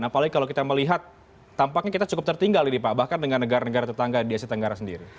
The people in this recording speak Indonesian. apalagi kalau kita melihat tampaknya kita cukup tertinggal ini pak bahkan dengan negara negara tetangga di asia tenggara sendiri